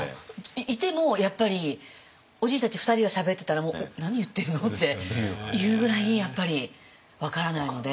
いてもやっぱりおじいたち２人がしゃべってたら「何言ってるの？」っていうぐらいやっぱり分からないので。